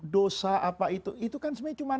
dosa apa itu itu kan sebenarnya cuma